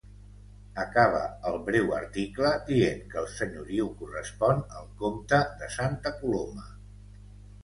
Acaba el breu article dient que el senyoriu correspon al Comte de Santa Coloma.